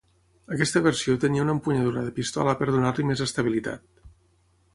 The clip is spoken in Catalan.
Aquesta versió tenia una empunyadura de pistola per donar-li més estabilitat.